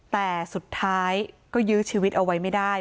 แต่สุดท้ายก็ยื้อชีวิตเอาไว้ไม่ได้